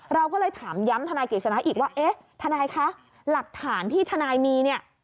เราก็เลยถามย้ำทนายกฤษณะอีกว่าเอ๊ะทนายคะหลักฐานที่ทนายมีเนี่ย